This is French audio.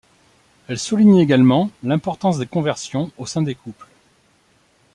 Elle souligne également l'importance des conversions au sein des couples.